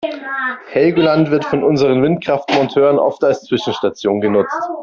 Helgoland wird von unseren Windkraftmonteuren oft als Zwischenstation genutzt.